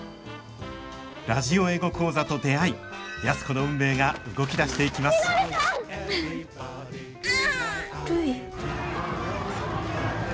ラジオ英語講座と出会い安子の運命が動き出していきまするい。